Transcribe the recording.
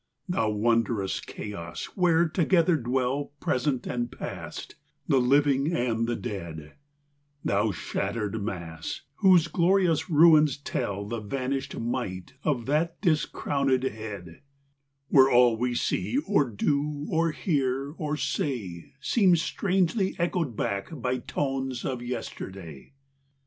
VIII. Thou wondrous chaos, where together dwell Present and past, the living and the dead, Thou shattered mass, whose glorious ruins tell The vanisht might of that discrowned head : Where all we see, or do, or hear, or say, Seems strangely echoed back by tones of yesterday : IX.